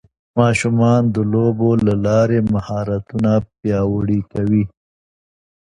ماشومان د لوبو له لارې مهارتونه پیاوړي کوي